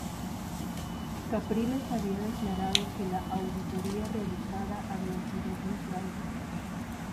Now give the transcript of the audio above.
Capriles había declarado que la auditoría realizada había sido un fraude.